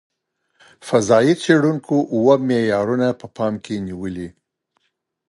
فضايي څېړونکو اوه معیارونه په پام کې نیولي.